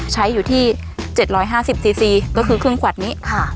ใช้อยู่ที่เจ็ดร้อยห้าสิบซีซีก็คือครึ่งขวดนี้ค่ะ